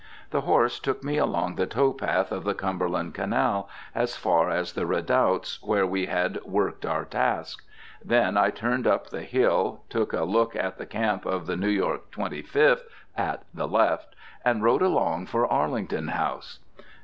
The horse took me along the tow path of the Cumberland Canal, as far as the redoubts where we had worked our task. Then I turned up the hill, took a look at the camp of the New York Twenty Fifth at the left, and rode along for Arlington House.